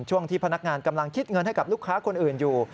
ช่วงที่พนักงานกำลังคิดเงินให้กับลูกค้าคนอื่นอยู่